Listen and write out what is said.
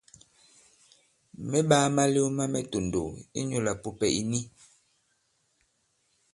Mɛ̌ ɓāw malew ma mɛ tòndow inyūlā pùpɛ̀ ì ni.